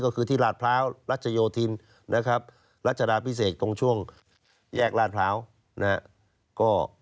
ก็คือที่ราชพร้าวรัชโยธินต์รัชดาพิเศษตรงช่วงแยกราชพราวต์